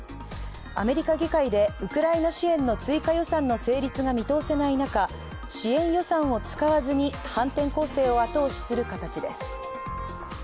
アメリカ議会でウクライナ支援の追加予算の成立が見通せない中、支援予算を使わずに反転攻勢を後押しする形です。